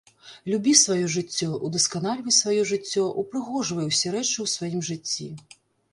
Любі сваё жыццё, удасканальвай сваё жыццё, упрыгожвай усе рэчы у сваім жыцці.